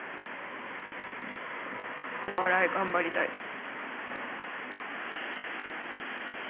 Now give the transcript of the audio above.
お笑い頑張りたいです。